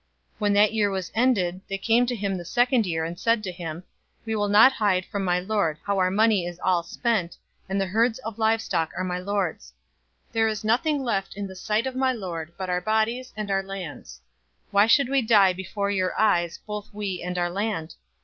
047:018 When that year was ended, they came to him the second year, and said to him, "We will not hide from my lord how our money is all spent, and the herds of livestock are my lord's. There is nothing left in the sight of my lord, but our bodies, and our lands. 047:019 Why should we die before your eyes, both we and our land?